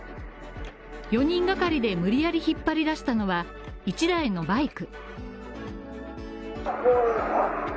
４人がかりで無理やり引っ張り出したのは、１台のバイク。